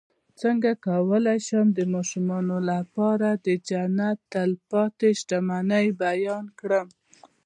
څنګه کولی شم د ماشومانو لپاره د جنت د تل پاتې شتمنۍ بیان کړم